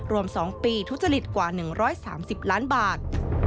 รวม๒ปีทุจริตกว่า๑๓๐ล้านบาท